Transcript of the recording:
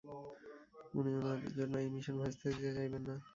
উনি ওনার জন্য এই মিশন ভেস্তে দিতে চাইবেন না।